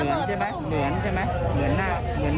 เหมือนใช่ไหมเหมือนหน้าเหมือนมอบแรงระเบิดใช่ไหม